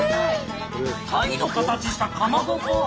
タイの形したかまぼこ？